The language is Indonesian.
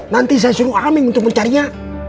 nanti saya suruh aming untuk mencarinya